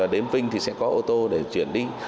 đến vinh thì sẽ có ô tô để chuyển đi